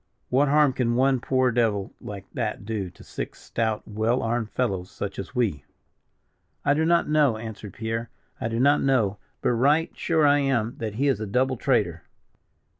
What harm can one poor devil like that do to six stout, well armed fellows, such as we?" "I do not know," answered Pierre, "I do not know; but right sure I am, that he is a double traitor."